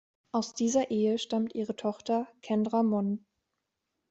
Aus dieser Ehe stammt ihre Tochter "Kendra Mon".